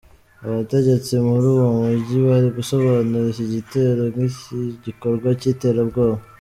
Abategetsi muri uwo mujyi bari gusobanura iki gitero nk’igikorwa cy’iterabwoba.